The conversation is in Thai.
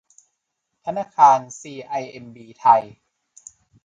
ธนาคารซีไอเอ็มบีไทย